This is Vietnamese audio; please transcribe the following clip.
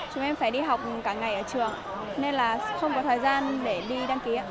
chúng em phải đi học cả ngày ở trường nên là không có thời gian để đi đăng ký ạ